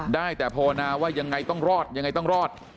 ได้แต่ภาวนาว่ายังไงต้องรอดยังไงต้องรอด